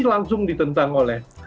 langsung ditentang oleh